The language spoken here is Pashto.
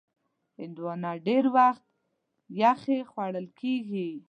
هندوانه ډېر وخت یخې خوړل کېږي.